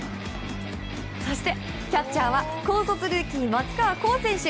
そして、キャッチャーは高卒ルーキー、松川虎生選手。